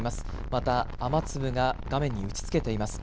また、雨粒が画面に打ちつけています。